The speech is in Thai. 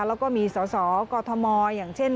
แล้วก็มีสสกมอย่างเช่น